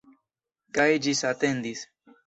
Kaj ĝisatendis.